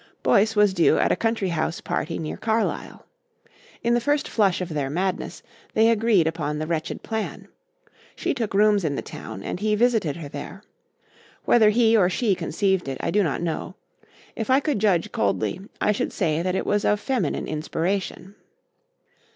Boyce was due at a Country House party near Carlisle. In the first flush of their madness they agreed upon the wretched plan. She took rooms in the town and he visited her there. Whether he or she conceived it, I do not know. If I could judge coldly I should say that it was of feminine inspiration.